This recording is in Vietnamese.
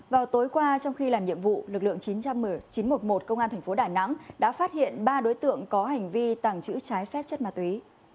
vào tối qua trong khi làm nhiệm vụ lực lượng chín trăm một mươi một công an tp đà nẵng đã phát hiện ba đối tượng có hành vi tàng trữ trái phép chất ma túy